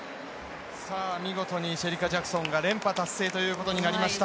見事にシェリカ・ジャクソンが連覇達成ということになりました。